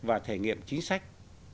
và thể nghiệm chính sách